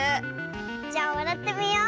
じゃわらってみよう。